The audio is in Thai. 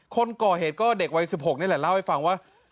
คนก่อเหตุก็เด็กวัย๑๖นี่แหละเล่าให้ฟังว่า